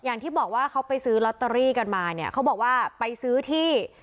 อย่างที่บอกว่าเขาไปซื้อลอตเตอรี่กันมาเนี่ยเขาบอกว่าไปซื้อที่